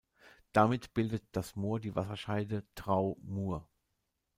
Damit bildet das Moor die Wasserscheide Drau–Mur.